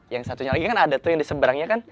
yang satunya lagi kan ada tuh yang diseberangnya kan